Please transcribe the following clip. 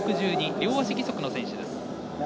両足義足の選手。